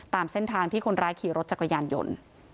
ตามเส้นทางที่คนร้ายขี่รถจักรยานยนต์